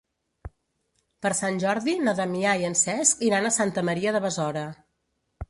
Per Sant Jordi na Damià i en Cesc iran a Santa Maria de Besora.